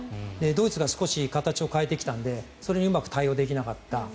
ドイツが少し形を変えてきたのでそれにうまく対応できなかった。